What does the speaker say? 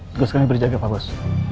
tugasnya berjaga pak bos